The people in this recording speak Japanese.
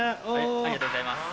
ありがとうございます。